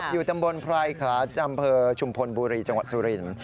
อยู่ตำบลไพรขาจำเผอชุมพลบุรีจังหวัดสุริน